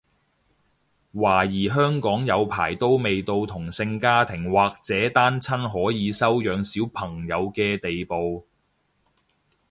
懷疑香港有排都未到同性家庭或者單親可以收養小朋友嘅地步